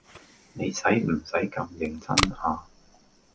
你洗唔洗咁認真啊？